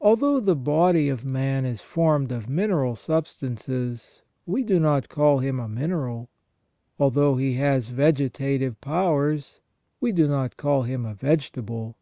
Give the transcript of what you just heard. Although the body of man is formed of mineral substances, we do not call him a mineral. Although he has vegetative powers, we do not call him a vegetable.